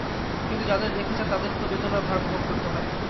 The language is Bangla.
কিন্তু যাঁদের রেখে যান, তাঁদের তো বেদনার ভার বহন করতে হয়।